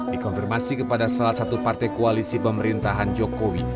dikonfirmasi kepada salah satu partai koalisi pemerintahan jokowi